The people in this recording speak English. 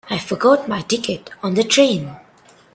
I forgot my ticket on the train.